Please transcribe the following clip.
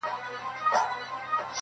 اشاره کړې او پر ویر یې ورسره ژړلي دي -